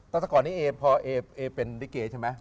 ตอนสักก่อนนี้เอ๊ะเป็นลิเกย์ใช่ไหม